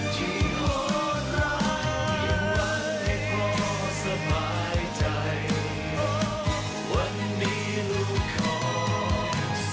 ทศวรรษ